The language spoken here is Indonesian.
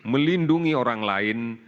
melindungi orang lain